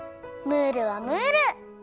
ムールはムール！